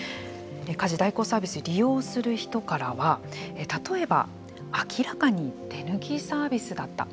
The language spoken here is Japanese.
家事代行サービス利用する人からは例えば、明らかに手抜きサービスだった。